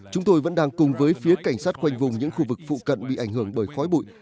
chúng tôi vẫn đang cùng với phía cảnh sát quanh vùng những khu vực phụ cận bị ảnh hưởng bởi khói bụi